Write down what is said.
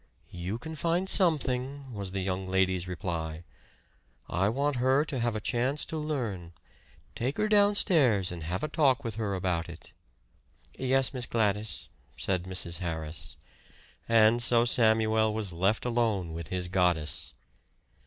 "You can find something," was the young lady's reply. "I want her to have a chance to learn. Take her downstairs and have a talk with her about it." "Yes, Miss Gladys," said Mrs. Harris; and so Samuel was left alone with his goddess.